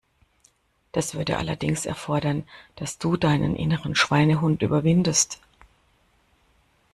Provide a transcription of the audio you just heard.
Das würde allerdings erfordern, dass du deinen inneren Schweinehund überwindest.